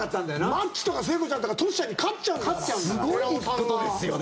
マッチとか聖子ちゃんとかトシちゃんにすごいことですよね。